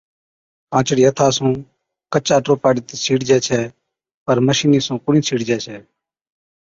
ڪانچڙِي ھٿا سُون ڪچا ٽوپا ڏِتِي سِيڙجَي ڇَي، پر مشِيني سُون ڪونھِي سِيڙجي ڇَي